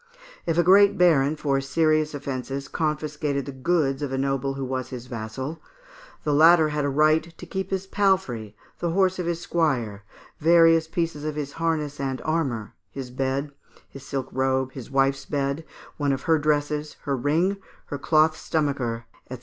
If a great baron for serious offences confiscated the goods of a noble who was his vassal, the latter had a right to keep his palfrey, the horse of his squire, various pieces of his harness and armour, his bed, his silk robe, his wife's bed, one of her dresses, her ring, her cloth stomacher, &c.